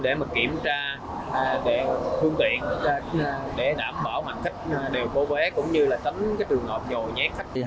để kiểm tra phương tiện để đảm bảo mặt khách đều có vé cũng như tính trường hợp nhòi nhét khách